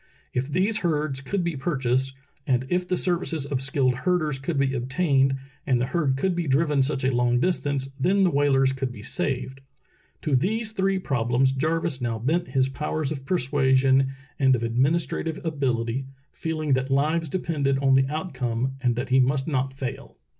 If these herds could be purchased, and if the services of skilled herders could be obtained and the herd could be driven such a long distance then the whalers could be saved. To these three problems Jarvis now bent his powers of persuasion and of ad Relief of American Whalers at Point Barrow 2S3 ministrative ability, feeling that lives depended on the outcome and that he must not fail.